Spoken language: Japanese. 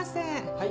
はい。